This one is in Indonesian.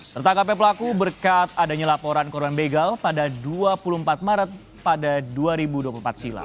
tertangkapnya pelaku berkat adanya laporan korban begal pada dua puluh empat maret pada dua ribu dua puluh empat silam